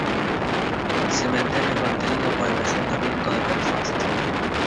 El cementerio es mantenido por el Ayuntamiento de Belfast.